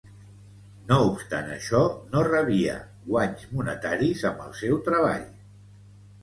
No obstant això, no rebia guanys monetaris amb el seu treball.